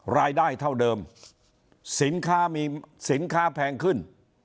รายได้เท่าเดิมสินค้าแพงขึ้น